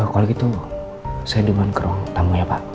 kalau gitu saya diman ke ruang tamu ya pak